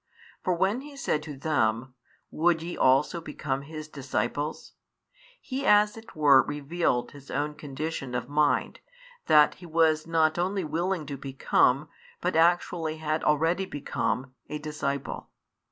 For when he said to them: Would ye also become His disciples? he as it were revealed his own condition of mind, that he was not only willing to become, but actually had already become, a disciple.